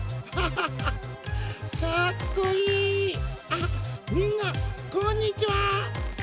あっみんなこんにちは！